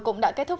cũng đã kết thúc